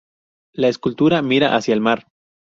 La escultura mira hacia el mar.